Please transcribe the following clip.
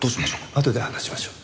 あとで話しましょう。